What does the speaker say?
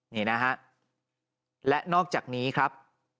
นี่นะฮะและนอกจากนี้ครับ